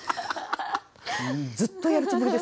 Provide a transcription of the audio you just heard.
ずっとやるつもりですね。